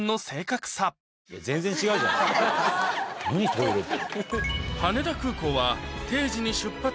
トイレって。